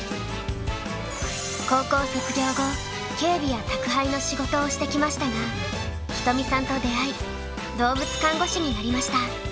高校卒業後警備や宅配の仕事をしてきましたがひとみさんと出会い動物看護師になりました。